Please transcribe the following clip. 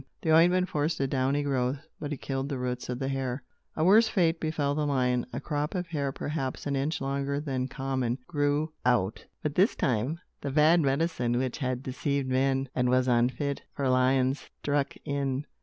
The ointment forced a downy growth but it killed the roots of the hair. A worse fate befell the lion. A crop of hair, perhaps an inch longer than common, grew out. But this time, the bad medicine, which had deceived men, and was unfit for lions, struck in.